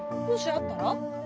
もしあったら？